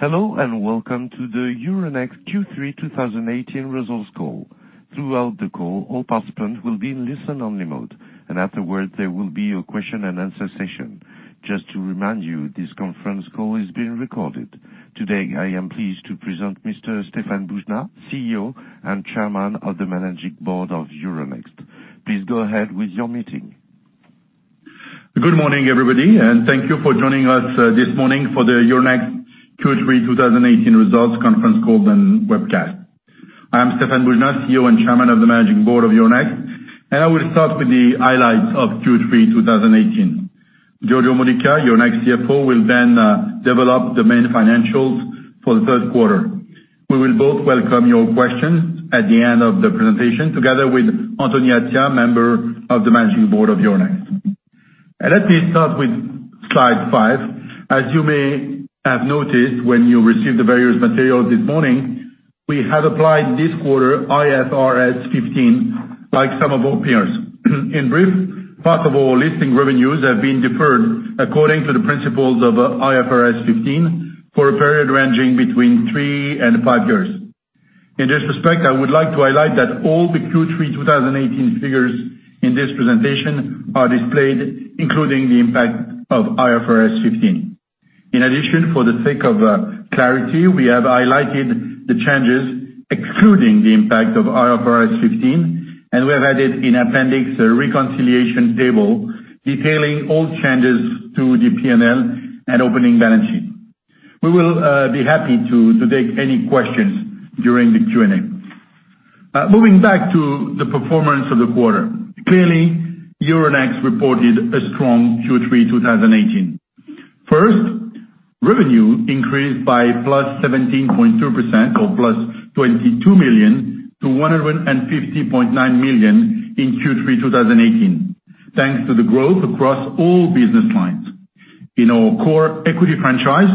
Welcome to the Euronext Q3 2018 results call. Throughout the call, all participants will be in listen-only mode, and afterwards, there will be a question and answer session. Just to remind you, this conference call is being recorded. Today, I am pleased to present Mr. Stéphane Boujnah, CEO and Chairman of the Managing Board of Euronext. Please go ahead with your meeting. Good morning, everybody. Thank you for joining us this morning for the Euronext Q3 2018 results conference call and webcast. I am Stéphane Boujnah, CEO and Chairman of the Managing Board of Euronext, and I will start with the highlights of Q3 2018. Giorgio Modica, Euronext CFO, will develop the main financials for the third quarter. We will both welcome your questions at the end of the presentation, together with Anthony Attia, Member of the Managing Board of Euronext. Let me start with slide five. As you may have noticed when you received the various materials this morning, we have applied this quarter IFRS 15, like some of our peers. In brief, part of our listing revenues have been deferred according to the principles of IFRS 15, for a period ranging between three and five years. In this respect, I would like to highlight that all the Q3 2018 figures in this presentation are displayed, including the impact of IFRS 15. In addition, for the sake of clarity, we have highlighted the changes excluding the impact of IFRS 15. We have added in appendix a reconciliation table detailing all changes to the P&L and opening balance sheet. We will be happy to take any questions during the Q&A. Moving back to the performance of the quarter. Clearly, Euronext reported a strong Q3 2018. First, revenue increased by +17.2%, or +22 million, to 150.9 million in Q3 2018, thanks to the growth across all business lines. In our core equity franchise,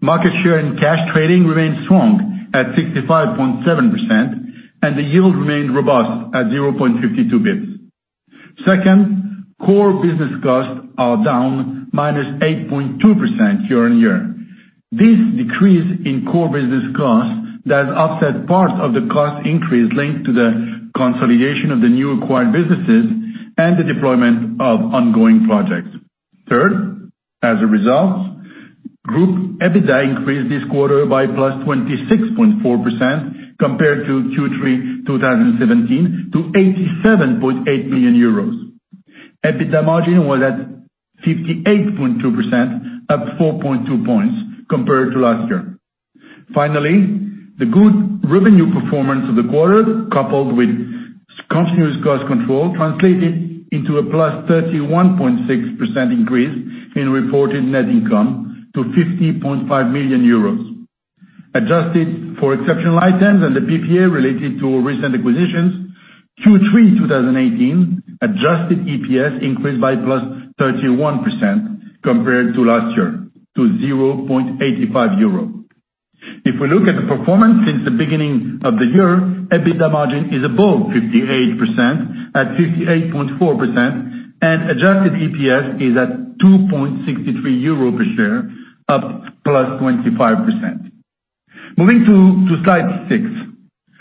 market share and cash trading remained strong at 65.7%, and the yield remained robust at 0.52 basis points. Second, core business costs are down -8.2% year-over-year. This decrease in core business costs does offset part of the cost increase linked to the consolidation of the new acquired businesses and the deployment of ongoing projects. Third, as a result, group EBITDA increased this quarter by +26.4% compared to Q3 2017 to 87.8 million euros. EBITDA margin was at 58.2%, up 4.2 points compared to last year. Finally, the good revenue performance of the quarter, coupled with continuous cost control, translated into a +31.6% increase in reported net income to 50.5 million euros. Adjusted for exceptional items and the PPA related to recent acquisitions, Q3 2018 adjusted EPS increased by +31% compared to last year, to 0.85 euro. If we look at the performance since the beginning of the year, EBITDA margin is above 58% at 58.4%. Adjusted EPS is at 2.63 euro per share, up +25%. Moving to slide six.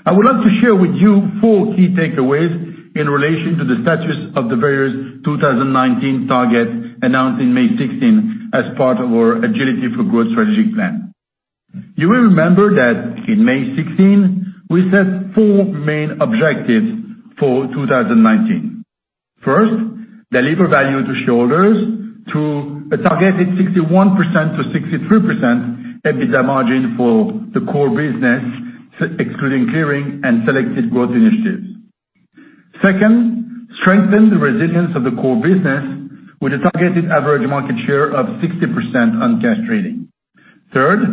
I would like to share with you four key takeaways in relation to the status of the various 2019 targets announced in May 2016 as part of our Agility for Growth strategic plan. You will remember that in May 2016, we set four main objectives for 2019. First, deliver value to shareholders to a targeted 61%-63% EBITDA margin for the core business, excluding clearing and selected growth initiatives. Second, strengthen the resilience of the core business with a targeted average market share of 60% on cash trading. Third,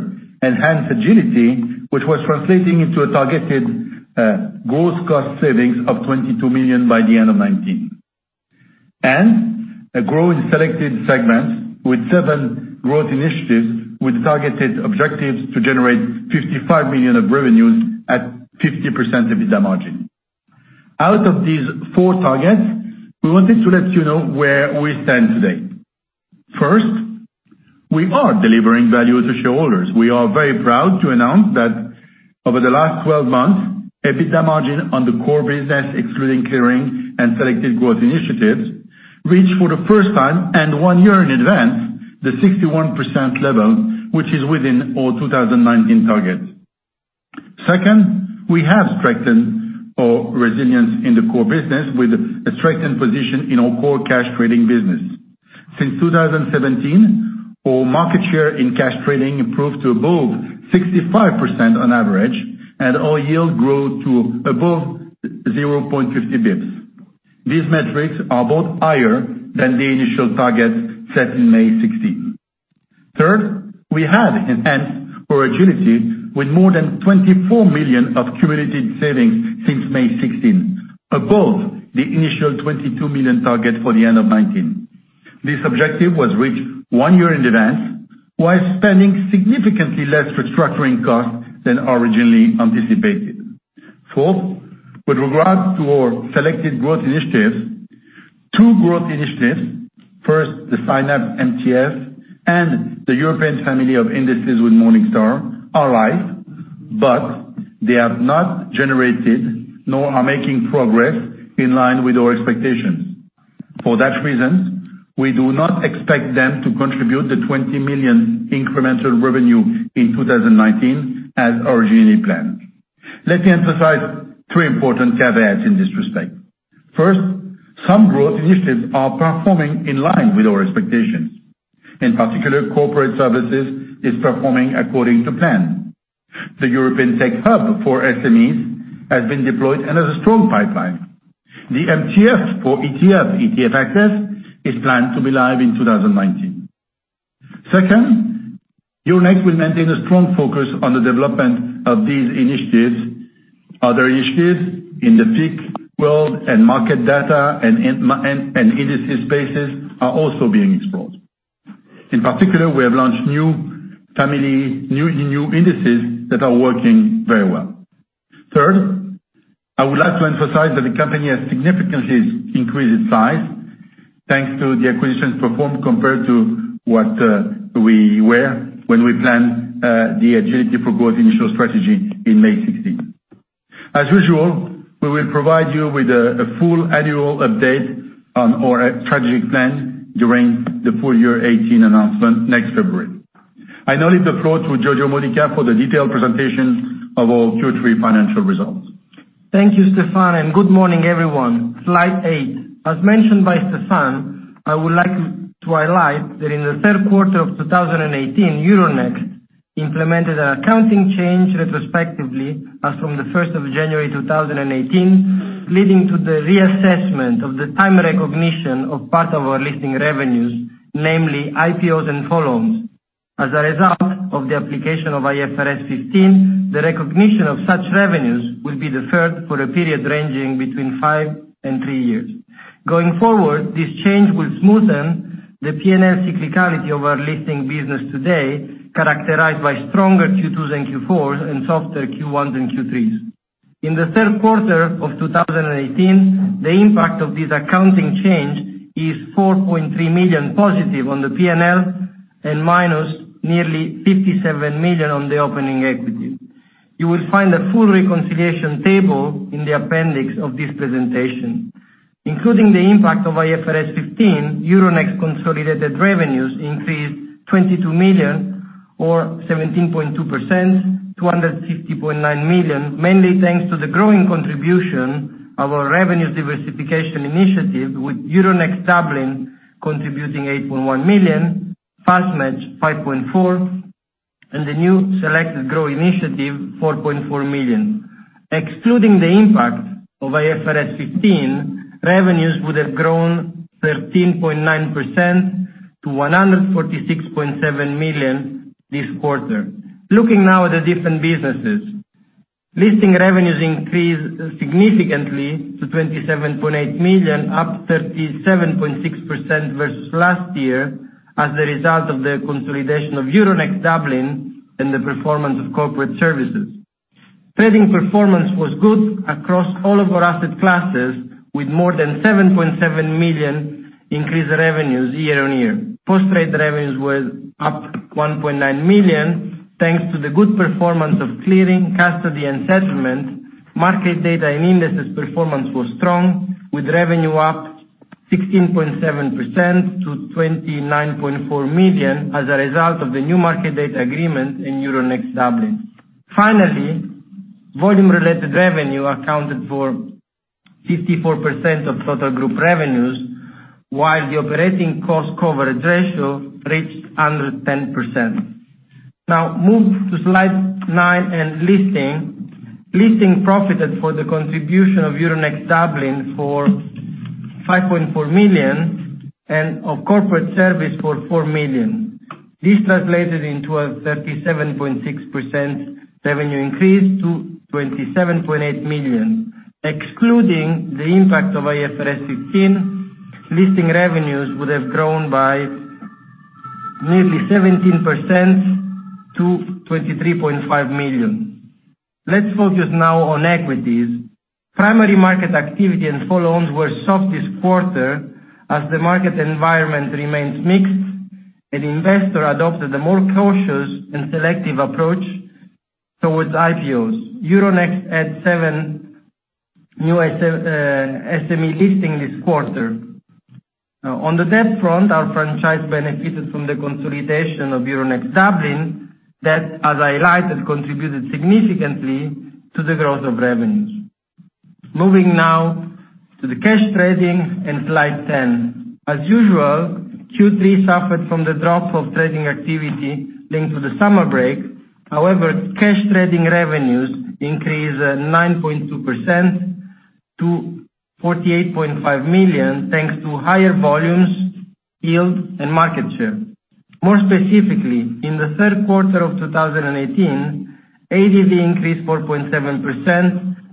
enhance agility, which was translating into a targeted gross cost savings of 22 million by the end of 2019. Grow in selected segments with seven growth initiatives, with targeted objectives to generate 55 million of revenues at 50% EBITDA margin. Out of these four targets, we wanted to let you know where we stand today. First, we are delivering value to shareholders. We are very proud to announce that over the last 12 months, EBITDA margin on the core business, excluding clearing and selected growth initiatives, reached for the first time, and one year in advance, the 61% level, which is within our 2019 target. Second, we have strengthened our resilience in the core business with a strengthened position in our core cash trading business. Since 2017, our market share in cash trading improved to above 65% on average, and our yield growth to above 0.50 basis points. These metrics are both higher than the initial target set in May 2016. Third, we have enhanced our agility with more than 24 million of cumulative savings since May 2016, above the initial 22 million target for the end of 2019. This objective was reached one year in advance, while spending significantly less restructuring costs than originally anticipated. Fourth, with regards to our selected growth initiatives, two growth initiatives, first, the Synapse MTF and the European family of indices with Morningstar, are live, but they have not generated nor are making progress in line with our expectations. For that reason, we do not expect them to contribute the 20 million incremental revenue in 2019 as originally planned. Let me emphasize three important caveats in this respect. First, some growth initiatives are performing in line with our expectations. In particular, Corporate Services is performing according to plan. The European Tech Hub for SMEs has been deployed and has a strong pipeline. The MTF for ETF, ETF Access, is planned to be live in 2019. Second, Euronext will maintain a strong focus on the development of these initiatives. Other initiatives in the fixed world and market data and indices spaces are also being explored. In particular, we have launched new indices that are working very well. Third, I would like to emphasize that the company has significantly increased its size, thanks to the acquisitions performed compared to what we were when we planned the Agility for Growth initial strategy in May 2016. As usual, we will provide you with a full annual update on our strategic plan during the full year 2018 announcement next February. I now leave the floor to Giorgio Modica for the detailed presentation of our Q3 financial results. Thank you, Stéphane, good morning, everyone. Slide eight. As mentioned by Stéphane, I would like to highlight that in the third quarter of 2018, Euronext implemented an accounting change retrospectively as from January 1, 2018, leading to the reassessment of the time recognition of part of our listing revenues, namely IPOs and follow-ons. As a result of the application of IFRS 15, the recognition of such revenues will be deferred for a period ranging between five and three years. Going forward, this change will smoothen the P&L cyclicality of our listing business today, characterized by stronger Q2s and Q4s and softer Q1s and Q3s. In the third quarter of 2018, the impact of this accounting change is 4.3 million positive on the P&L and minus nearly 57 million on the opening equity. You will find a full reconciliation table in the appendix of this presentation. Including the impact of IFRS 15, Euronext consolidated revenues increased 22 million or 17.2%, 260.9 million, mainly thanks to the growing contribution of our revenue diversification initiative, with Euronext Dublin contributing 8.1 million, FastMatch 5.4 million, and the new selected grow initiative, 4.4 million. Excluding the impact of IFRS 15, revenues would have grown 13.9% to 146.7 million this quarter. Looking now at the different businesses. Listing revenues increased significantly to 27.8 million, up 37.6% versus last year as a result of the consolidation of Euronext Dublin and the performance of corporate services. Trading performance was good across all of our asset classes, with more than 7.7 million increased revenues year-on-year. Post-trade revenues were up 1.9 million, thanks to the good performance of clearing, custody, and settlement. Market data and indices performance was strong, with revenue up 16.7% to 29.4 million as a result of the new market data agreement in Euronext Dublin. Finally, volume-related revenue accounted for 54% of total group revenues, while the operating cost coverage ratio reached 110%. Move to slide nine and listing. Listing profited for the contribution of Euronext Dublin for 5.4 million and of corporate service for 4 million. This translated into a 37.6% revenue increase to 27.2 million. Excluding the impact of IFRS 15, listing revenues would have grown by nearly 17% to 23.5 million. Let's focus now on equities. Primary market activity and follow-ons were soft this quarter as the market environment remains mixed, the investor adopted a more cautious and selective approach towards IPOs. Euronext had seven new SME listing this quarter. On the debt front, our franchise benefited from the consolidation of Euronext Dublin that, as I highlighted, contributed significantly to the growth of revenues. Moving now to the cash trading in slide 10. As usual, Q3 suffered from the drop of trading activity linked to the summer break. Cash trading revenues increased 9.2% to 48.5 million, thanks to higher volumes, yield, and market share. More specifically, in the third quarter of 2018, ADV increased 4.7%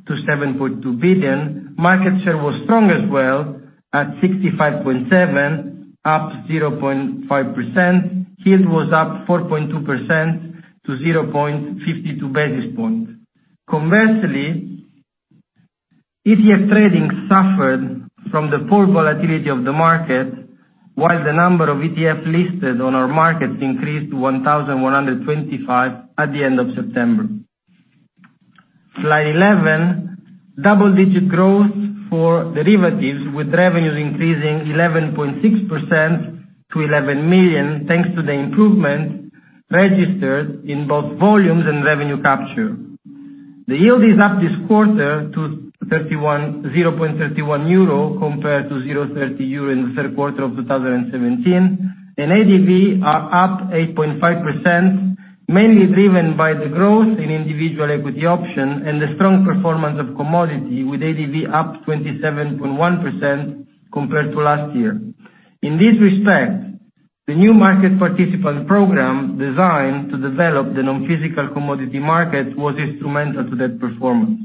to 7.2 billion. Market share was strong as well. At 65.7%, up 0.5%, yield was up 4.2% to 0.52 basis points. Conversely, ETF trading suffered from the poor volatility of the market, while the number of ETF listed on our market increased to 1,125 at the end of September. Slide 11, double-digit growth for derivatives, with revenues increasing 11.6% to 11 million, thanks to the improvement registered in both volumes and revenue capture. The yield is up this quarter to 0.31 euro compared to 0.30 euro in the third quarter of 2017, ADV are up 8.5%, mainly driven by the growth in individual equity option and the strong performance of commodity, with ADV up 27.1% compared to last year. In this respect, the new market participant program designed to develop the non-physical commodity market was instrumental to that performance.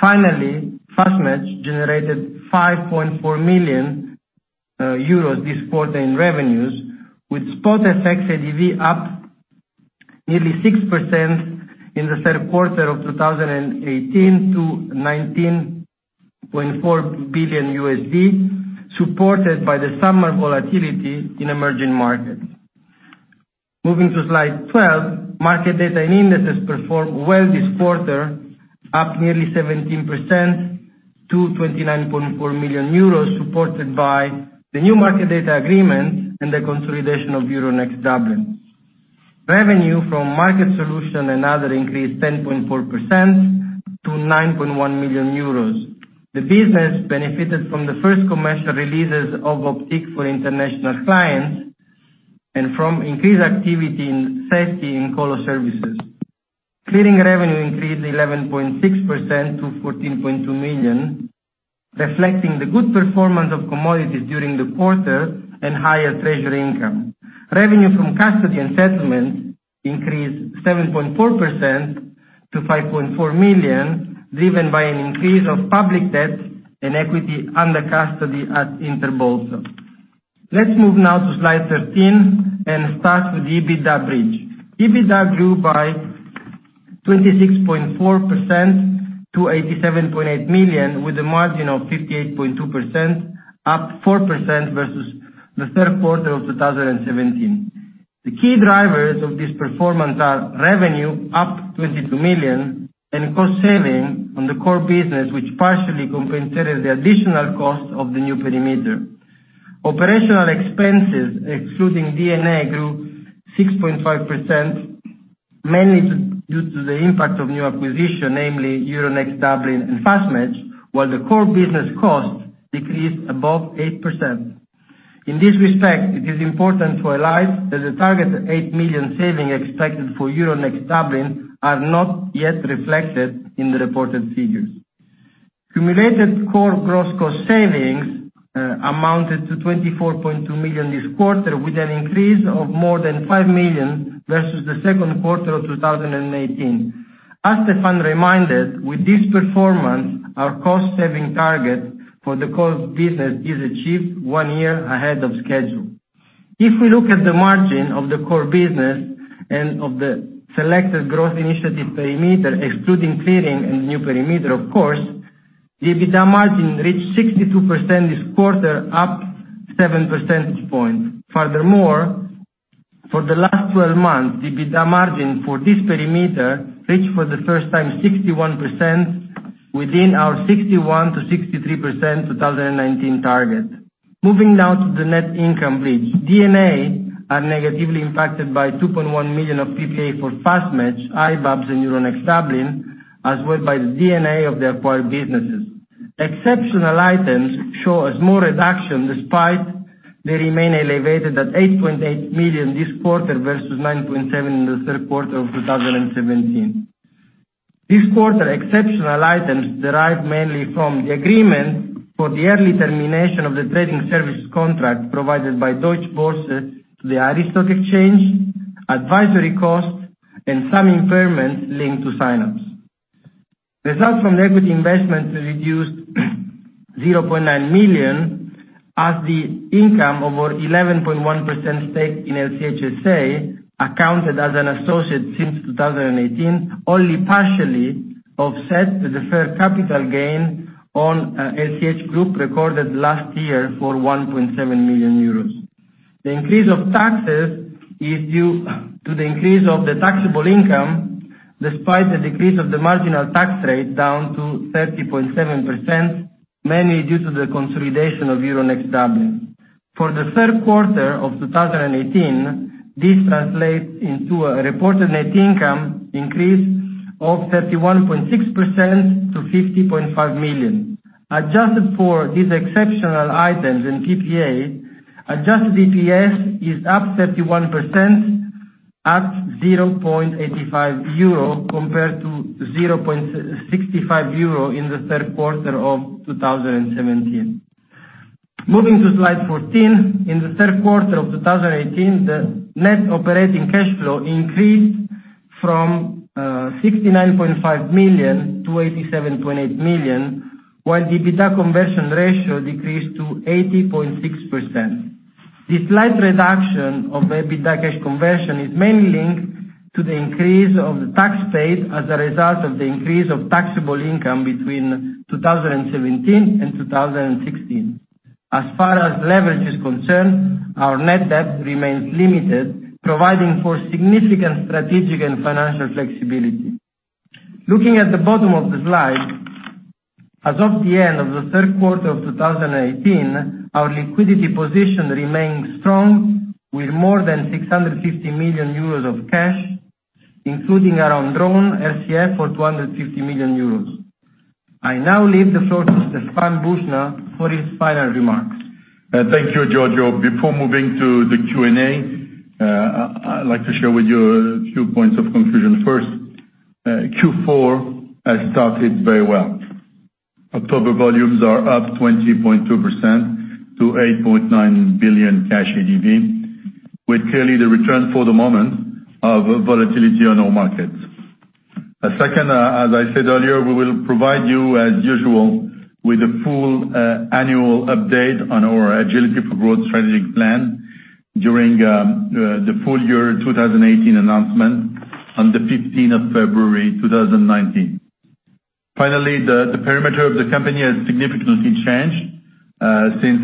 Finally, FastMatch generated 5.4 million euros this quarter in revenues, with spot FX ADV up nearly 6% in the third quarter of 2018 to $19.4 billion, supported by the summer volatility in emerging markets. Moving to slide 12, market data and indices performed well this quarter, up nearly 17% to 29.4 million euros, supported by the new market data agreement and the consolidation of Euronext Dublin. Revenue from market solution and other increased 10.4% to 9.1 million euros. The business benefited from the first commercial releases of Optiq for international clients and from increased activity in safety and colo services. Clearing revenue increased 11.6% to 14.2 million, reflecting the good performance of commodities during the quarter and higher treasury income. Revenue from custody and settlement increased 7.4% to 5.4 million, driven by an increase of public debt and equity under custody at INTERBOLSA. Let's move now to slide 13 and start with the EBITDA bridge. EBITDA grew by 26.4% to 87.8 million, with a margin of 58.2%, up 4% versus the third quarter of 2017. The key drivers of this performance are revenue up 22 million and cost saving on the core business, which partially compensated the additional cost of the new perimeter. Operational expenses, excluding D&A, grew 6.5%, mainly due to the impact of new acquisition, namely Euronext Dublin and FastMatch, while the core business cost decreased above 8%. In this respect, it is important to highlight that the target 8 million saving expected for Euronext Dublin are not yet reflected in the reported figures. Cumulated core gross cost savings amounted to 24.2 million this quarter, with an increase of more than 5 5 million versus the second quarter of 2018. As Stéphane reminded, with this performance, our cost-saving target for the core business is achieved one year ahead of schedule. If we look at the margin of the core business and of the selected growth initiative perimeter, excluding clearing and new perimeter, of course, the EBITDA margin reached 62% this quarter, up 7 percentage points. Furthermore, for the last 12 months, the EBITDA margin for this perimeter reached for the first time 61% within our 61%-63% 2019 target. Moving now to the net income bridge. D&A are negatively impacted by 2.1 million of PPA for FastMatch, iBabs and Euronext Dublin, as well by the D&A of the acquired businesses. Exceptional items show a small reduction despite they remain elevated at 8.8 million this quarter versus 9.7 million in the third quarter of 2017. This quarter, exceptional items derived mainly from the agreement for the early termination of the trading service contract provided by Deutsche Börse to the Irish Stock Exchange, advisory costs, and some impairments linked to Synapse. Results from equity investments reduced 0.9 million as the income of our 11.1% stake in LCH SA, accounted as an associate since 2018, only partially offset the deferred capital gain on LCH Group recorded last year for 1.7 million euros. The increase of taxes is due to the increase of the taxable income, despite the decrease of the marginal tax rate down to 30.7%, mainly due to the consolidation of Euronext Dublin. For the third quarter of 2018, this translates into a reported net income increase of 31.6% to 50.5 million. Adjusted for these exceptional items in PPA, adjusted EPS is up 31% at 0.85 euro compared to 0.65 euro in the third quarter of 2017. Moving to slide 14, in the third quarter of 2018, the net operating cash flow increased from 69.5 million to 87.8 million, while the EBITDA conversion ratio decreased to 80.6%. The slight reduction of the EBITDA cash conversion is mainly linked to the increase of the tax paid as a result of the increase of taxable income between 2017 and 2016. As far as leverage is concerned, our net debt remains limited, providing for significant strategic and financial flexibility. Looking at the bottom of the slide, as of the end of the third quarter of 2018, our liquidity position remains strong with more than 650 million euros of cash, including our undrawn RCF for 250 million euros. I now leave the floor to Stéphane Boujnah for his final remarks. Thank you, Giorgio. Before moving to the Q&A, I'd like to share with you a few points of confusion. First, Q4 has started very well. October volumes are up 20.2% to 8.9 billion cash ADV, with clearly the return for the moment of volatility on our markets. Second, as I said earlier, we will provide you, as usual, with a full annual update on our Agility for Growth strategic plan during the full year 2018 announcement on the 15th of February 2019. Finally, the perimeter of the company has significantly changed since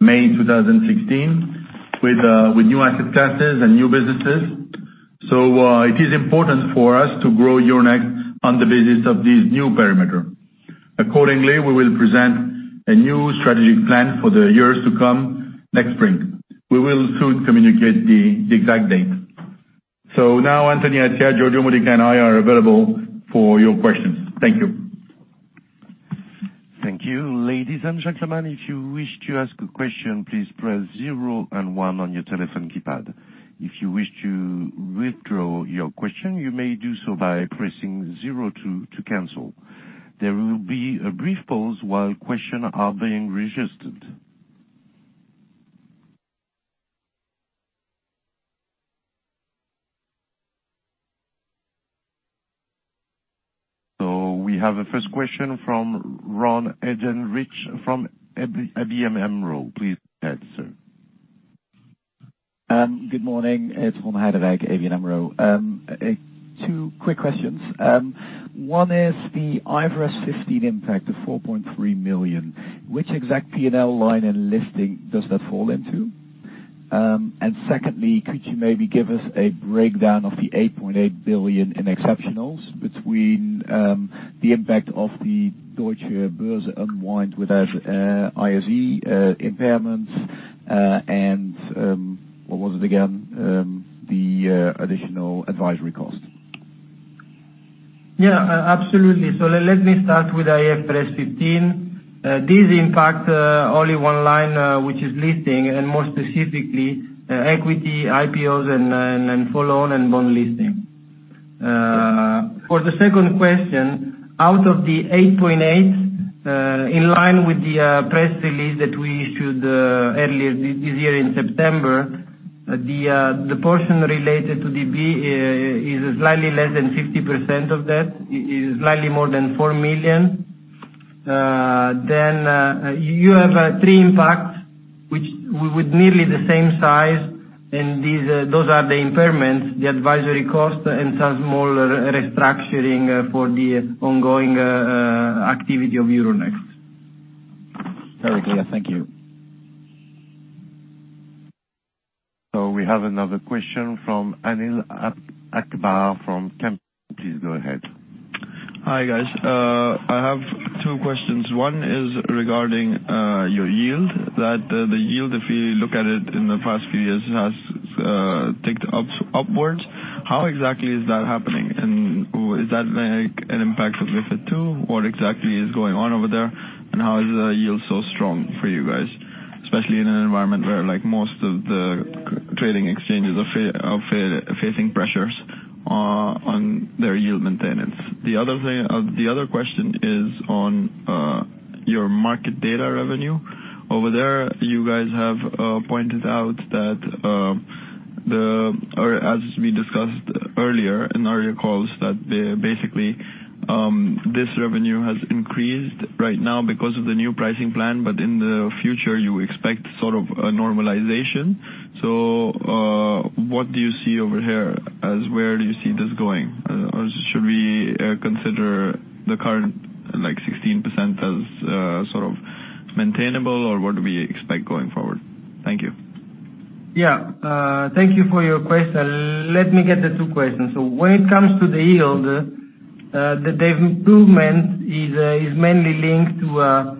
May 2016 with new asset classes and new businesses. It is important for us to grow Euronext on the basis of this new perimeter. Accordingly, we will present a new strategic plan for the years to come next spring. We will soon communicate the exact date. Now Anthony Attia, Giorgio Modica, and I are available for your questions. Thank you. Thank you. Ladies and gentlemen, if you wish to ask a question, please press zero and one on your telephone keypad. If you wish to withdraw your question, you may do so by pressing zero two to cancel. There will be a brief pause while questions are being registered. We have a first question from Ron Heydenrijk from ABN AMRO. Please go ahead, sir. Good morning. It's Ron Heydenrijk, ABN AMRO. Two quick questions. One is the IFRS 15 impact of 4.3 million, which exact P&L line and listing does that fall into? Secondly, could you maybe give us a breakdown of the 8.8 billion in exceptionals between the impact of the Deutsche Börse unwind with that ISE impairments and, what was it again, the additional advisory cost? Absolutely. Let me start with IFRS 15. This impacts only one line, which is listing and more specifically, equity IPOs and follow-on and bond listing. For the second question, out of the 8.8, in line with the press release that we issued earlier this year in September, the portion related to DB is slightly less than 50% of that, is slightly more than 4 million. You have three impacts, which with nearly the same size, and those are the impairments, the advisory cost, and some small restructuring for the ongoing activity of Euronext. Very clear. Thank you. We have another question from Anil Akbar from Kempen. Please go ahead. Hi, guys. I have two questions. One is regarding your yield, that the yield, if you look at it in the past few years, has ticked upwards. How exactly is that happening? Is that an impact of MiFID II? What exactly is going on over there? How is the yield so strong for you guys, especially in an environment where most of the trading exchanges are facing pressures on their yield maintenance? The other question is on your market data revenue. Over there, you guys have pointed out that, or as we discussed earlier in earlier calls, that basically this revenue has increased right now because of the new pricing plan. In the future, you expect sort of a normalization. What do you see over here as where do you see this going? Should we consider the current 16% as sort of maintainable, or what do we expect going forward? Thank you. Yeah. Thank you for your question. Let me get the two questions. When it comes to the yield, the improvement is mainly linked to a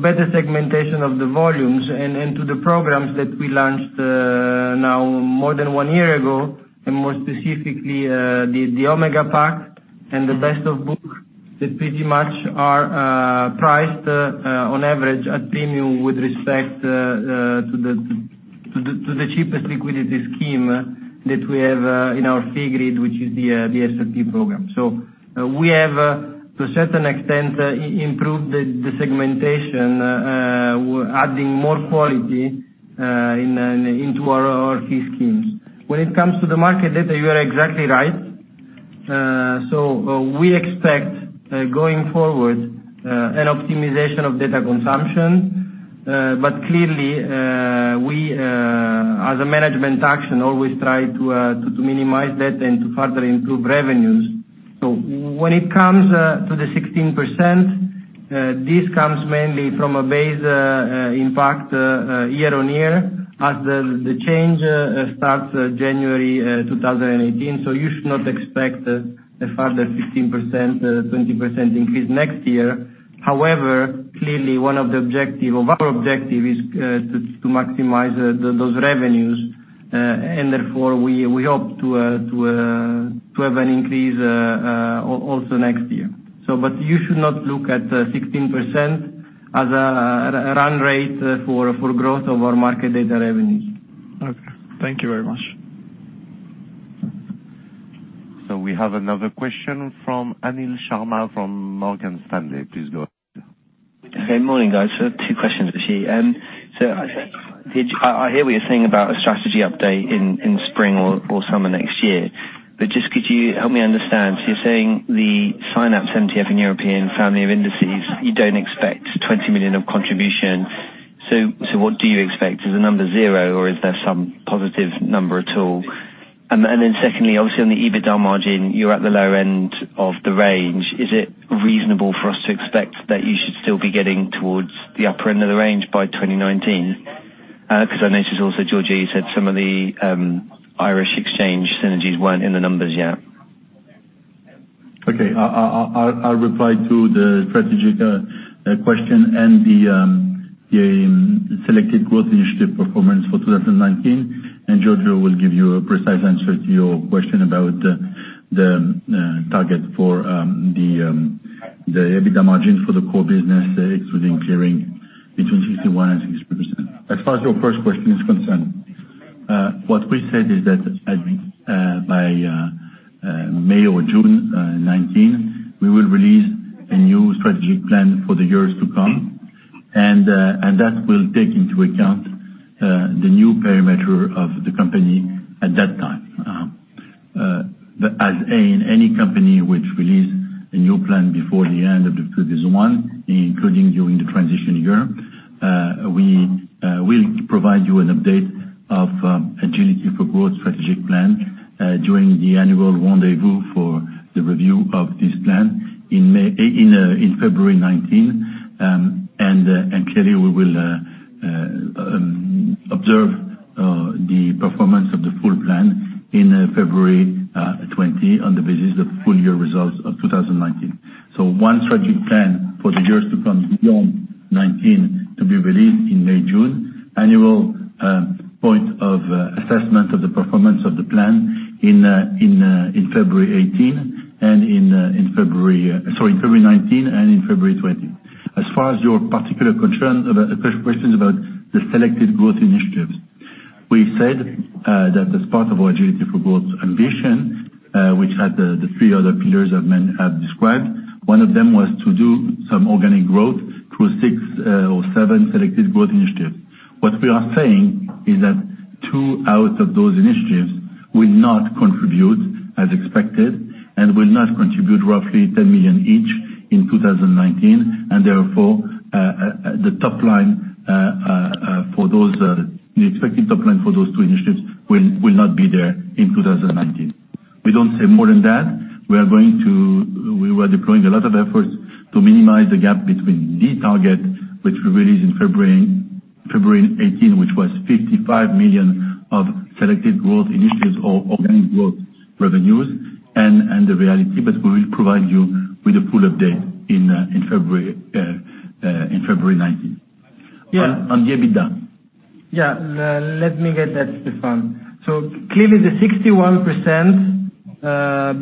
better segmentation of the volumes and to the programs that we launched now more than one year ago, and more specifically, the Pack Omega and the Best of Book that pretty much are priced on average a premium with respect to the cheapest liquidity scheme that we have in our fee grid, which is the SLP program. We have to a certain extent improved the segmentation, adding more quality into our key schemes. When it comes to the market data, you are exactly right. We expect, going forward, an optimization of data consumption. Clearly, we as a management action, always try to minimize that and to further improve revenues. When it comes to the 16%, this comes mainly from a base impact year-on-year, as the change starts January 2018. You should not expect a further 15%-20% increase next year. However, clearly one of our objective is to maximize those revenues, and therefore, we hope to have an increase also next year. You should not look at 16% as a run rate for growth of our market data revenues. Okay. Thank you very much. We have another question from Anil Sharma from Morgan Stanley. Please go ahead. Okay, morning, guys. Two questions, actually. I hear what you're saying about a strategy update in spring or summer next year, but just could you help me understand? You're saying the Synapse and European family of indices, you don't expect 20 million of contribution. What do you expect? Is the number zero, or is there some positive number at all? Secondly, obviously on the EBITDA margin, you're at the low end of the range. Is it reasonable for us to expect that you should still be getting towards the upper end of the range by 2019? Because I noticed also, Giorgio, you said some of the Irish exchange synergies weren't in the numbers yet. Okay. I'll reply to the strategic question and the selected growth initiative performance for 2019, Giorgio will give you a precise answer to your question about the target for the EBITDA margin for the core business, excluding clearing between 61% and 63%. As far as your first question is concerned, what we said is that by May or June 2019, we will release a new strategic plan for the years to come, that will take into account the new parameter of the company at that time. As in any company which release a new plan before the end of 2021, including during the transition year, we will provide you an update of Agility for Growth strategic plan during the annual rendezvous for the review of this plan in February 2019, clearly we will observe the performance of the full plan in February 2020 on the basis of full year results of 2019. One strategic plan for the years to come beyond 2019 to be released in May, June. Annual point of assessment of the performance of the plan in February 2018, sorry, February 2019, and February 2020. As far as your particular questions about the selected growth initiatives. We said that as part of our Agility for Growth ambition, which had the three other pillars I've described, one of them was to do some organic growth through six or seven selected growth initiatives. What we are saying is that two out of those initiatives will not contribute as expected, will not contribute roughly 10 million each in 2019, therefore the expected top line for those two initiatives will not be there in 2019. We don't say more than that. We are deploying a lot of efforts to minimize the gap between the target, which we released in February 2018, which was 55 million of selected growth initiatives or organic growth revenues and the reality, we will provide you with a full update in February 2019. Yeah. On the EBITDA. Yeah. Let me get that, Stéphane. Clearly the 61%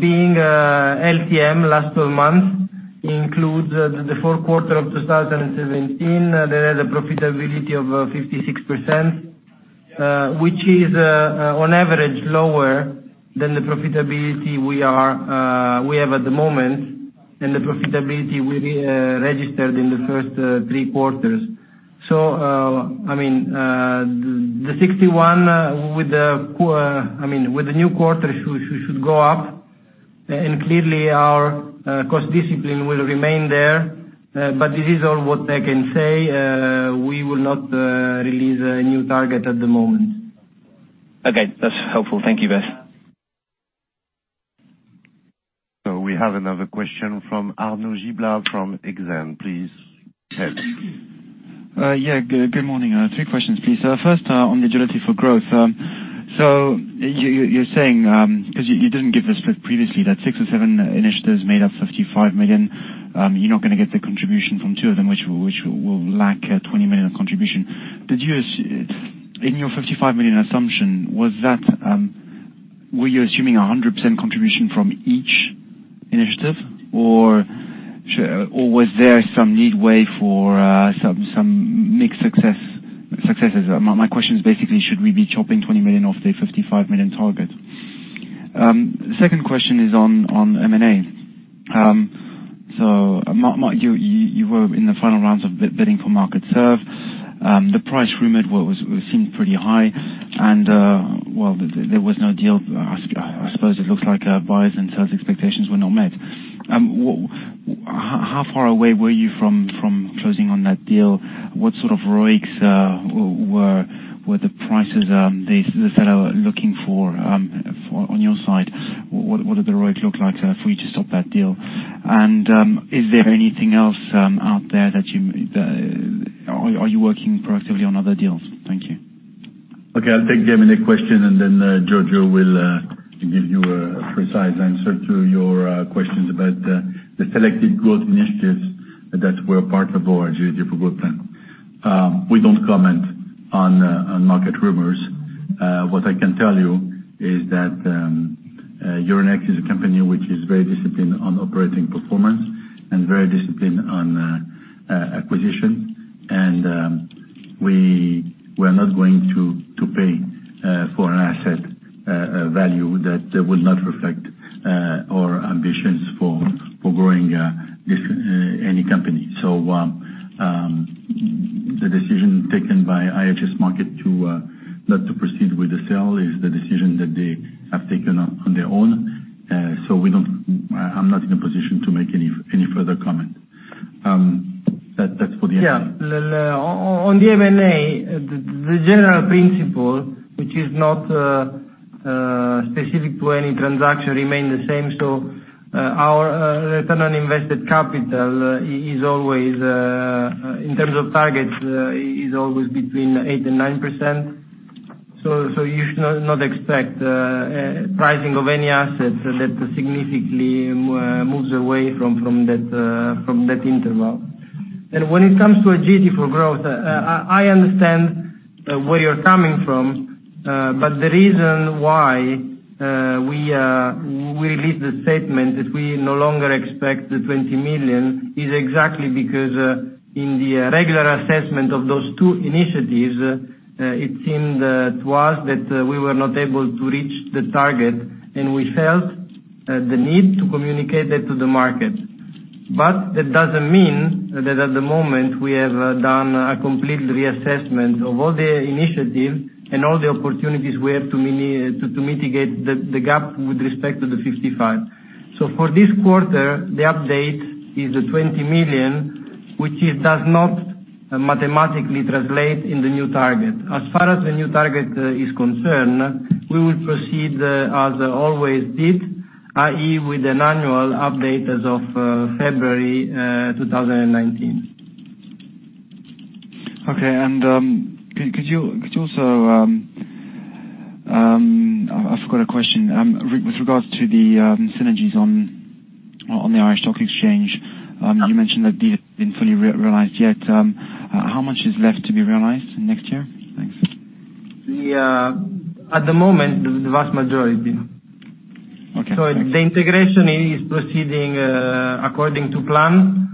being LTM, last 12 month, includes the fourth quarter of 2017. There is a profitability of 56%, which is on average lower than the profitability we have at the moment, and the profitability we registered in the first three quarters. The 61% with the new quarter, should go up, and clearly our cost discipline will remain there. This is all what I can say. We will not release a new target at the moment. Okay. That's helpful. Thank you both. We have another question from Arnaud Giblat from Exane. Please go ahead. Yeah. Good morning. Three questions, please. First, on the Agility for Growth. You're saying, because you didn't give the split previously, that six or seven initiatives made up 55 million. You're not going to get the contribution from two of them, which will lack 20 million of contribution. In your 55 million assumption, were you assuming 100% contribution from each initiative, or was there some leeway for some mixed successes? My question is basically should we be chopping 20 million off the 55 million target? The second question is on M&A. MarkitSERV, you were in the final rounds of bidding for MarkitSERV. The price rumored seemed pretty high and, well, there was no deal. I suppose it looks like buyers' and sellers' expectations were not met. How far away were you from closing on that deal? What sort of ROIC were the prices the seller looking for on your side? What did the ROIC look like for you to stop that deal? Is there anything else out there that you are working proactively on other deals? Thank you. Okay. I'll take the M&A question, then Giorgio will give you a precise answer to your questions about the selected growth initiatives that were part of our GDF group plan. We don't comment on market rumors. What I can tell you is that Euronext is a company which is very disciplined on operating performance and very disciplined on acquisition. We're not going to pay for an asset value that will not reflect our ambitions for growing any company. The decision taken by IHS Markit to not to proceed with the sale is the decision that they have taken on their own. I'm not in a position to make any further comment. That's for the M&A. Yeah. On the M&A, the general principle, which is not specific to any transaction, remain the same. Our return on invested capital, in terms of targets, is always between 8% and 9%. You should not expect pricing of any assets that significantly moves away from that interval. When it comes to Agility for Growth, I understand where you're coming from, the reason why we released the statement that we no longer expect the 20 million is exactly because in the regular assessment of those two initiatives, it seemed to us that we were not able to reach the target. We felt the need to communicate that to the market. That doesn't mean that at the moment we have done a complete reassessment of all the initiatives and all the opportunities we have to mitigate the gap with respect to the 55 million. For this quarter, the update is 20 million, which it does not mathematically translate in the new target. As far as the new target is concerned, we will proceed as always did, i.e., with an annual update as of February 2019. Okay. Could you also I forgot a question. With regards to the synergies on the Irish Stock Exchange, you mentioned that these isn't fully realized yet. How much is left to be realized next year? Thanks. At the moment, the vast majority. Okay. The integration is proceeding according to plan.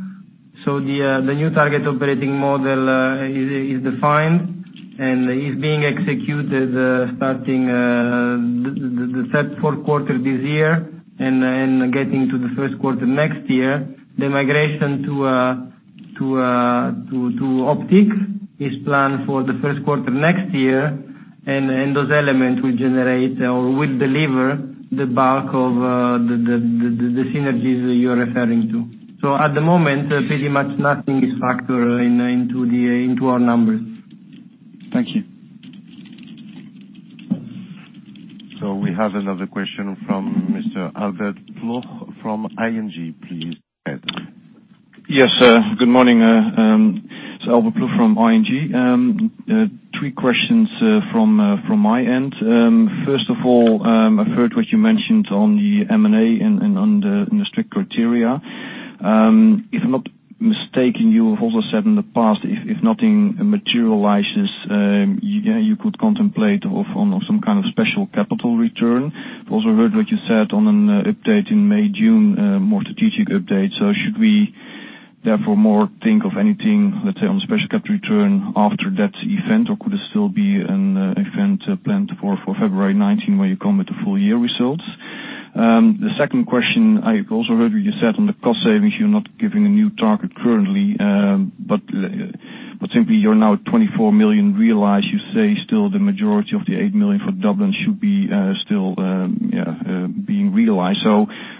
The new target operating model is defined and is being executed, starting the third, fourth quarter this year, then getting to the first quarter next year. The migration to Optiq is planned for the first quarter next year, those elements will generate or will deliver the bulk of the synergies that you're referring to. At the moment, pretty much nothing is factored into our numbers. Thank you. We have another question from Mr. Folkert Ploeg from ING. Please, go ahead. Yes. Good morning. It's Folkert Ploeg from ING. Three questions from my end. First of all, I've heard what you mentioned on the M&A and on the strict criteria. If I'm not mistaken, you have also said in the past, if nothing materializes, you could contemplate on some kind of special capital return. Also heard what you said on an update in May, June, more strategic update. Should we therefore more think of anything, let's say, on the special capital return after that event? Or could it still be an event planned for February 2019, where you come with the full year results? The second question, I also heard what you said on the cost savings. You're not giving a new target currently, but simply you're now at 24 million realized. You say still the majority of the 8 million for Dublin should be still being realized.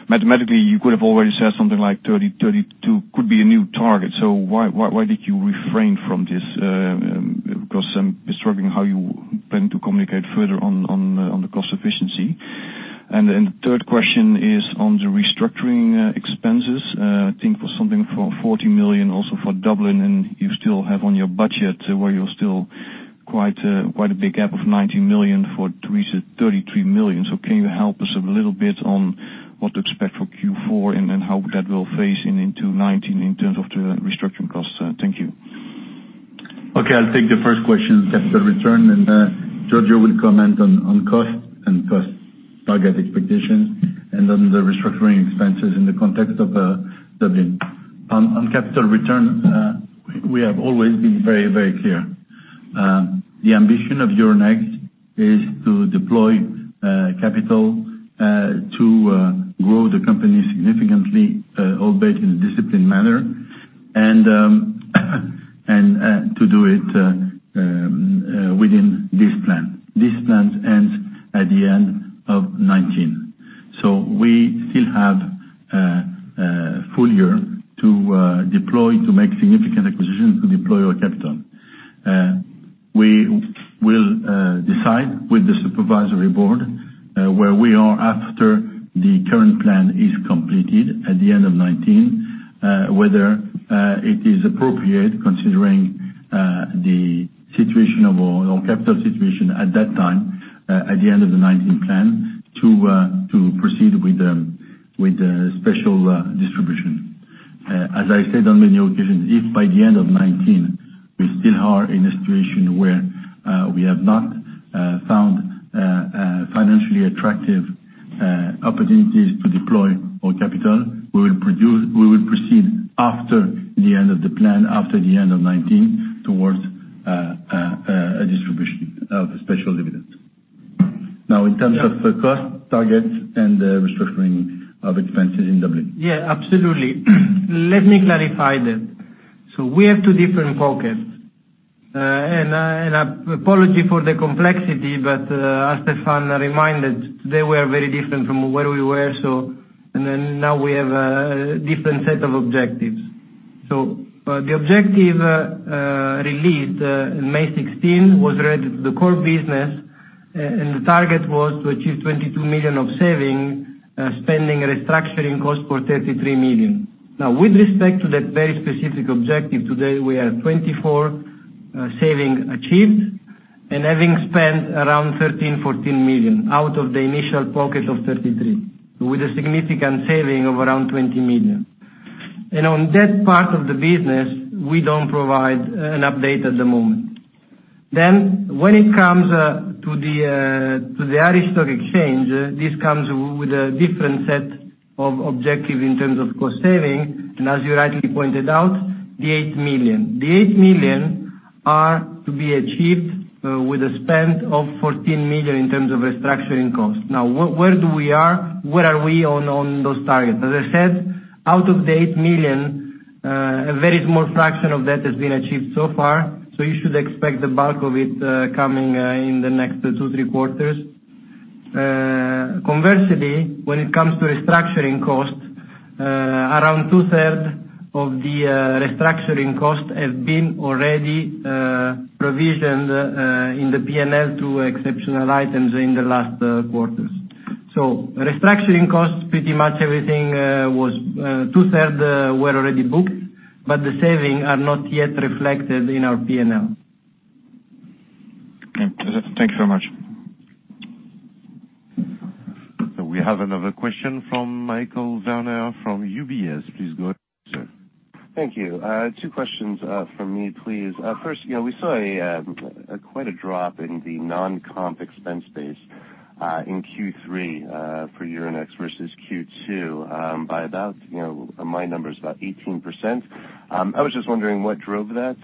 Mathematically, you could have already said something like 30 million, 32 million could be a new target. Why did you refrain from this? Because I'm struggling how you plan to communicate further on the cost efficiency. The third question is on the restructuring expenses. Think it was something for 40 million also for Dublin, and you still have on your budget where you're still quite a big gap of 19 million to reach 33 million. Can you help us a little bit on what to expect for Q4 and how that will phase in into 2019 in terms of the restructuring costs? Thank you. Okay, I'll take the first question, capital return, and Giorgio will comment on cost and cost target expectations and on the restructuring expenses in the context of Dublin. On capital return, we have always been very clear. The ambition of Euronext is to deploy capital to grow the company significantly, albeit in a disciplined manner, and to do it within this plan. This plan ends at the end of 2019. We still have a full year to deploy, to make significant acquisitions, to deploy our capital. We will decide with the supervisory board where we are after the current plan is completed at the end of 2019, whether it is appropriate, considering the situation of our capital situation at that time, at the end of the 2019 plan, to proceed with the special distribution. As I said on many occasions, if by the end of 2019, we still are in a situation where we have not found financially attractive opportunities to deploy our capital, we will proceed after the end of the plan, after the end of 2019, towards a distribution of a special dividend. In terms of the cost targets and the restructuring of expenses in Dublin. Yeah, absolutely. Let me clarify that. We have two different pockets. Apology for the complexity, but as Stéphane reminded, today we are very different from where we were, we now have a different set of objectives. The objective released in May 2016 was related to the core business, the target was to achieve 22 million of saving, spending restructuring cost for 33 million. With respect to that very specific objective, today we are 24 million saving achieved and having spent around 13 million, 14 million out of the initial pocket of 33 million, with a significant saving of around 20 million. On that part of the business, we don't provide an update at the moment. When it comes to the Irish Stock Exchange, this comes with a different set of objective in terms of cost saving, as you rightly pointed out, the 8 million. The 8 million are to be achieved with a spend of 14 million in terms of restructuring cost. Where are we on those targets? As I said, out of the 8 million, a very small fraction of that has been achieved so far. You should expect the bulk of it coming in the next two, three quarters. Conversely, when it comes to restructuring costs, around 2/3 of the restructuring costs have been already provisioned in the P&L through exceptional items in the last quarters. Restructuring costs, pretty much 2/3 were already booked, but the saving are not yet reflected in our P&L. Okay. Thank you so much. We have another question from Michael Werner from UBS. Please go ahead, sir. Thank you. Two questions from me, please. First, we saw quite a drop in the non-comp expense base in Q3 for Euronext versus Q2 by about, my number's about 18%. I was just wondering what drove that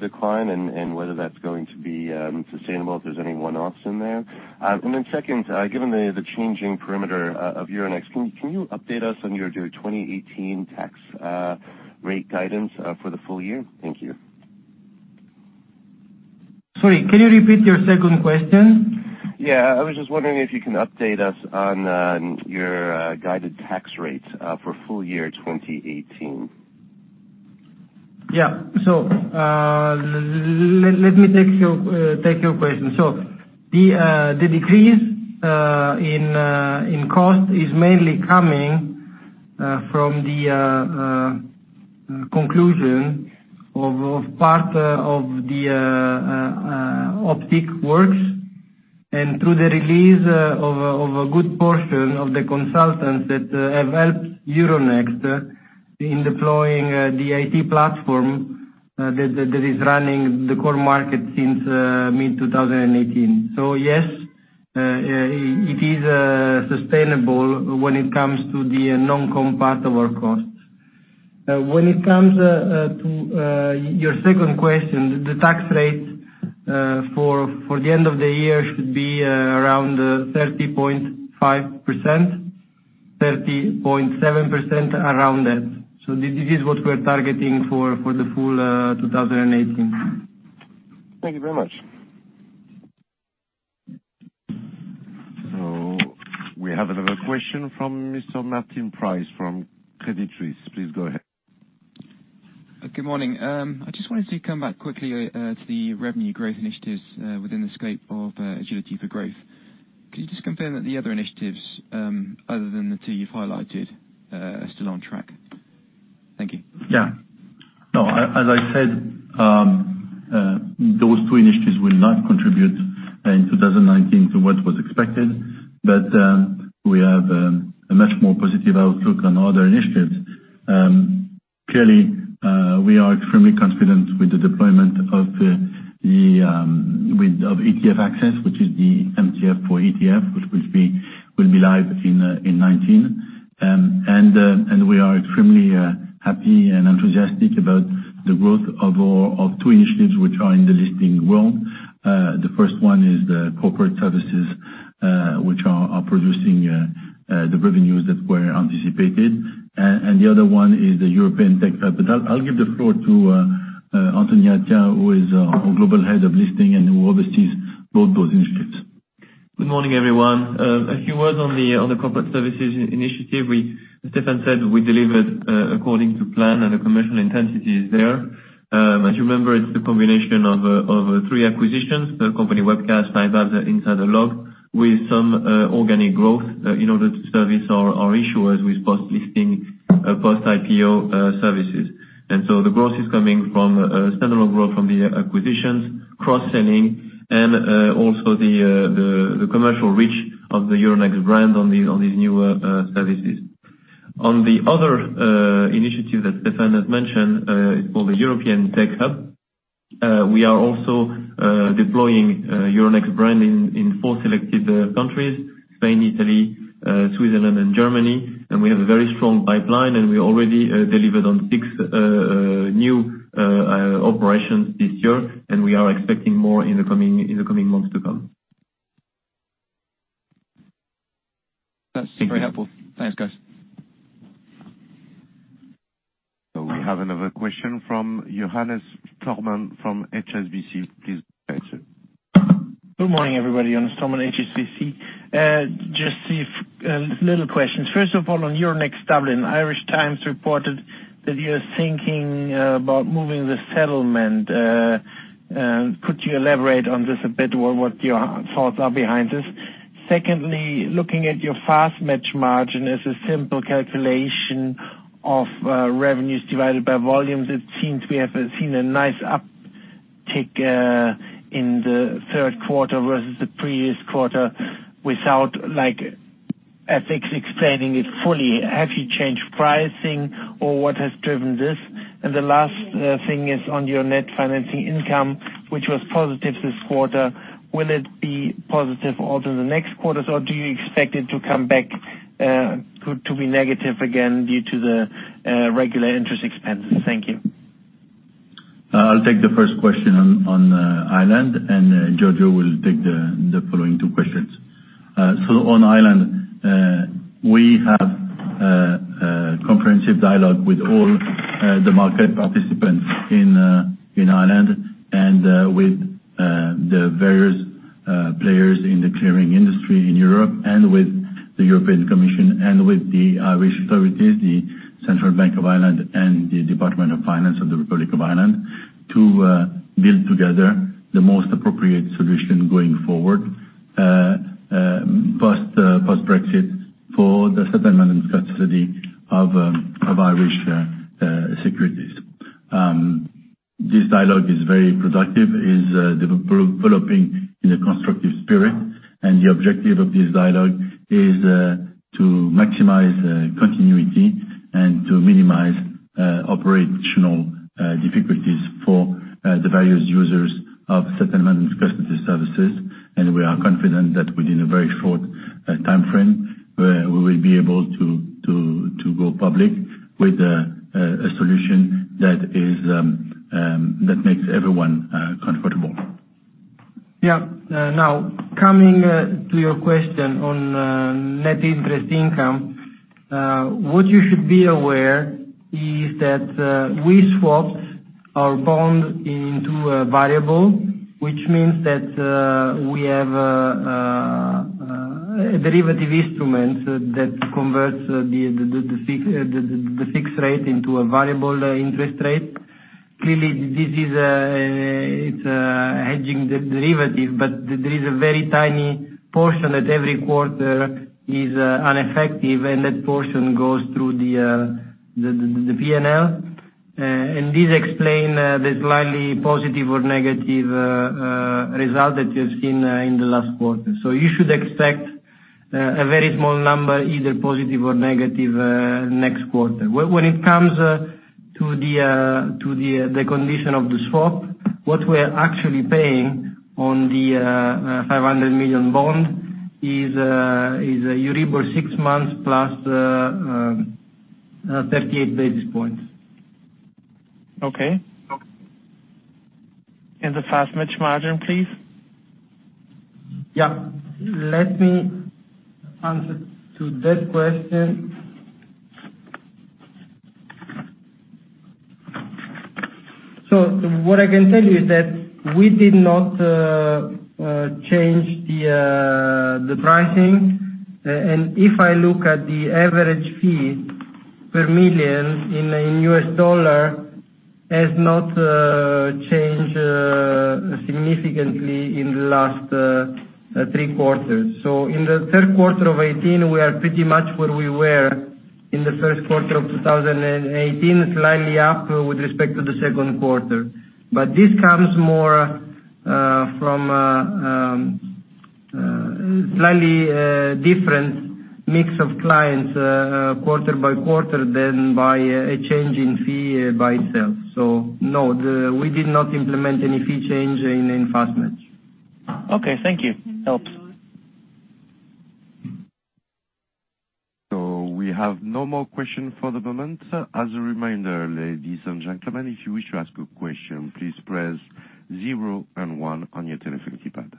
decline and whether that's going to be sustainable, if there's any one-offs in there. Second, given the changing perimeter of Euronext, can you update us on your 2018 tax rate guidance for the full year? Thank you. Sorry, can you repeat your second question? I was just wondering if you can update us on your guided tax rate for full year 2018. Let me take your question. The decrease in cost is mainly coming from the conclusion of part of the Optiq works and through the release of a good portion of the consultants that have helped Euronext in deploying the IT platform that is running the core market since mid-2018. Yes, it is sustainable when it comes to the non-comp part of our costs. When it comes to your second question, the tax rate for the end of the year should be around 30.5%, 30.7%, around that. This is what we're targeting for the full 2018. Thank you very much. We have another question from Mr. Martin Price from Credit Suisse. Please go ahead. Good morning. I just wanted to come back quickly to the revenue growth initiatives within the scope of Agility for Growth. Can you just confirm that the other initiatives, other than the two you've highlighted, are still on track? Thank you. Yeah. No, as I said, those two initiatives will not contribute in 2019 to what was expected. We have a much more positive outlook on other initiatives. Clearly, we are extremely confident with the deployment of the ETF Access, which is the MTF for ETF, which will be live in 2019. We are extremely happy and enthusiastic about the growth of two initiatives which are in the listing world. The first one is the Corporate Services, which are producing the revenues that were anticipated. The other one is the European Tech Hub. I'll give the floor to Anthony Attia, who is our Global Head of Listing and who oversees both initiatives. Good morning, everyone. A few words on the Corporate Services initiative. As Stéphane said, we delivered according to plan, and the commercial intensity is there. As you remember, it's the combination of three acquisitions: Company Webcast, iBabs, InsiderLog, with some organic growth in order to service our issuers with post-listing, post-IPO services. The growth is coming from standard growth from the acquisitions, cross-selling, and also the commercial reach of the Euronext brand on these newer services. On the other initiative that Stéphane has mentioned, it's called the European Tech Hub. We are also deploying Euronext brand in four selected countries, Spain, Italy, Switzerland, and Germany. We have a very strong pipeline, and we already delivered on six new operations this year. We are expecting more in the coming months to come. That's very helpful. Thanks, guys. We have another question from Johannes Thormann from HSBC. Please go ahead, sir. Good morning, everybody. Johannes Thormann, HSBC. Just a little question. First of all, on Euronext Dublin, Irish Times reported that you're thinking about moving the settlement. Could you elaborate on this a bit, or what your thoughts are behind this? Secondly, looking at your FastMatch margin as a simple calculation of revenues divided by volumes, it seems we have seen a nice uptick in the third quarter versus the previous quarter without FX explaining it fully. Have you changed pricing, or what has driven this? The last thing is on your net financing income, which was positive this quarter. Will it be positive also in the next quarters, or do you expect it to come back to be negative again due to the regular interest expenses? Thank you. I'll take the first question on Ireland, and Giorgio will take the following two questions. On Ireland, we have a comprehensive dialogue with all the market participants in Ireland and with the various players in the clearing industry in Europe and with the European Commission and with the Irish authorities, the Central Bank of Ireland and the Department of Finance of the Republic of Ireland to build together the most appropriate solution going forward post-Brexit for the settlement and custody of Irish securities. This dialogue is very productive, is developing in a constructive spirit, and the objective of this dialogue is to maximize continuity and to minimize operational difficulties for the various users of settlement and custody services. We are confident that within a very short timeframe, we will be able to go public with a solution that makes everyone comfortable. Yeah. Coming to your question on net interest income. What you should be aware is that we swapped our bond into a variable, which means that we have a derivative instrument that converts the fixed rate into a variable interest rate. Clearly, this is a hedging derivative, but there is a very tiny portion that every quarter is ineffective, and that portion goes through the P&L. This explains the slightly positive or negative result that you've seen in the last quarter. You should expect a very small number, either positive or negative, next quarter. When it comes to the condition of the swap, what we're actually paying on the 500 million bond is Euribor six months plus 38 basis points. Okay. The FastMatch margin, please? Yeah. Let me answer to that question. What I can tell you is that we did not change the pricing. If I look at the average fee per million in U.S. dollar, has not changed significantly in the last three quarters. In the third quarter of 2018, we are pretty much where we were in the first quarter of 2018, slightly up with respect to the second quarter. But this comes more from a slightly different mix of clients quarter by quarter than by a change in fee by itself. No, we did not implement any fee change in FastMatch. Okay. Thank you. Helps. We have no more question for the moment. As a reminder, ladies and gentlemen, if you wish to ask a question, please press zero and one on your telephone keypad.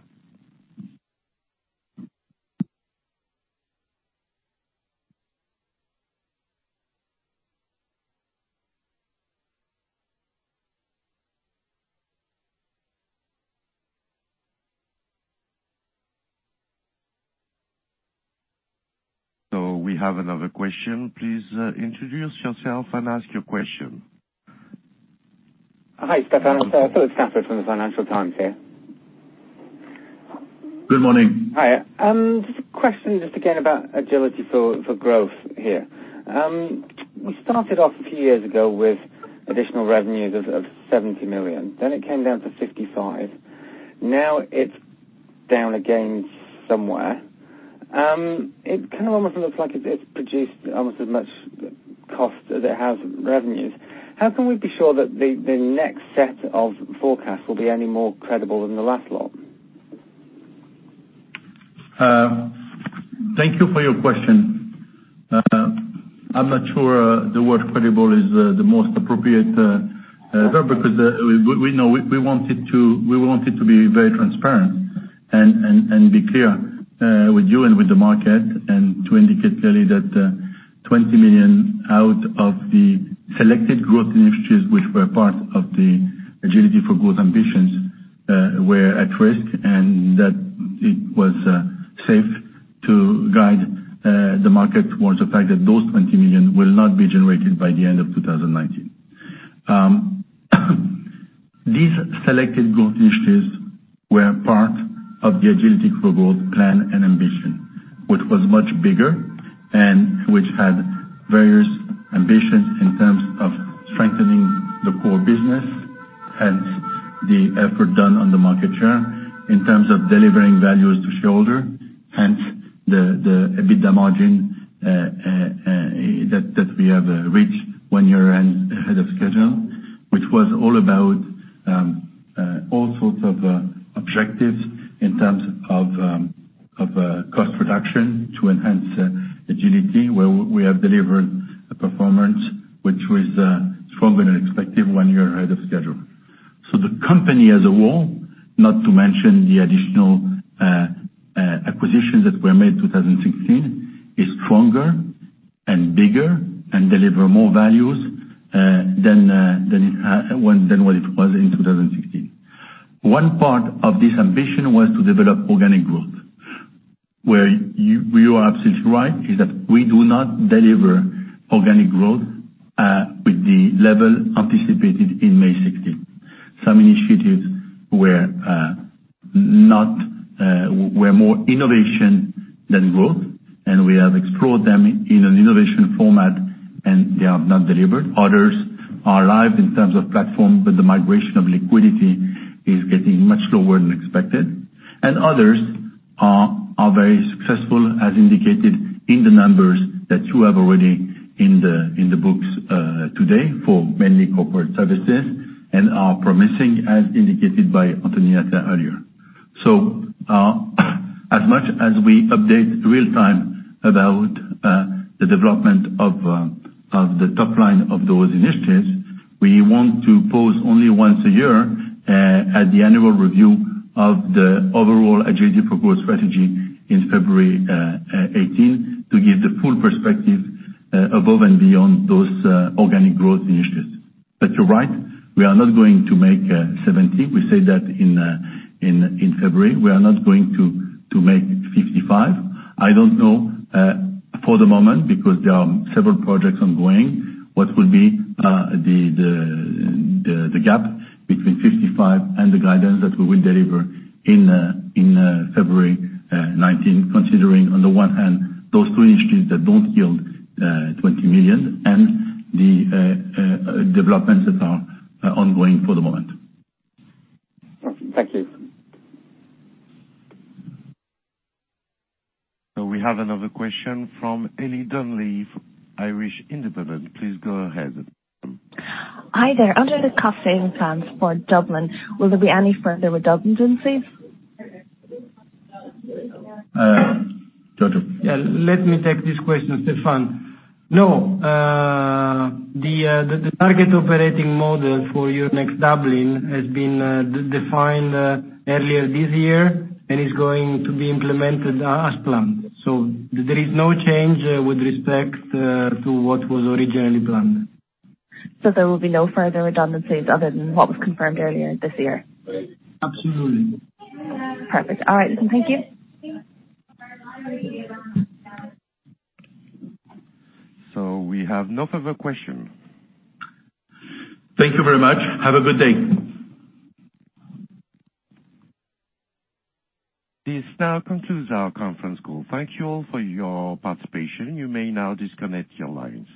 We have another question. Please introduce yourself and ask your question. Hi, Stéphane. Philip Stratford from the Financial Times here. Good morning. Hi. Just a question just again about Agility for Growth here. We started off a few years ago with additional revenues of 70 million, then it came down to 55 million. Now it's down again somewhere. It kind of almost looks like it's produced almost as much cost as it has revenues. How can we be sure that the next set of forecasts will be any more credible than the last lot? Thank you for your question. I'm not sure the word credible is the most appropriate, because we know we wanted to be very transparent and be clear with you and with the market, and to indicate clearly that 20 million out of the selected growth initiatives, which were part of the Agility for Growth ambitions, were at risk, and that it was safe to guide the market towards the fact that those 20 million will not be generated by the end of 2019. These selected growth initiatives were part of the Agility for Growth plan and ambition, which was much bigger and which had various ambitions in terms of strengthening the core business, hence the effort done on the market share in terms of delivering values to shareholder, hence the EBITDA margin that we have reached one year ahead of schedule. Which was all about all sorts of objectives in terms of cost reduction to enhance agility, where we have delivered a performance which was stronger than expected one year ahead of schedule. The company as a whole, not to mention the additional acquisitions that were made 2016, is stronger and bigger and deliver more values than what it was in 2016. One part of this ambition was to develop organic growth, where you are absolutely right, is that we do not deliver organic growth with the level anticipated in May 2016. Some initiatives were more innovation than growth, and we have explored them in an innovation format, and they have not delivered. Others are live in terms of platform, but the migration of liquidity is getting much lower than expected, and others are very successful, as indicated in the numbers that you have already in the books today for mainly corporate services, and are promising, as indicated by Anthony Attia earlier. As much as we update real time about the development of the top line of those initiatives, we want to pause only once a year at the annual review of the overall Agility for Growth strategy in February 2018 to give the full perspective above and beyond those organic growth initiatives. You're right, we are not going to make 70. We said that in February. We are not going to make 55. I don't know for the moment, because there are several projects ongoing, what will be the gap between 55 and the guidance that we will deliver in February 2019, considering on the one hand, those two initiatives that don't yield 20 million and the developments that are ongoing for the moment. Thank you. We have another question from Ellie Donnelly, Irish Independent. Please go ahead. Hi there. Under the cost-saving plans for Dublin, will there be any further redundancies? Giorgio? Yeah. Let me take this question, Stéphane. No, the target operating model for Euronext Dublin has been defined earlier this year and is going to be implemented as planned. There is no change with respect to what was originally planned. There will be no further redundancies other than what was confirmed earlier this year? Absolutely. Perfect. All right, thank you. We have no further question. Thank you very much. Have a good day. This now concludes our conference call. Thank you all for your participation. You may now disconnect your lines.